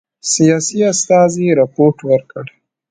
سیاسي استازي رپوټ ورکړ.